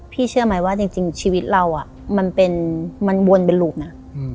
เชื่อไหมว่าจริงชีวิตเรามันเป็นมันวนเป็นรูปนะ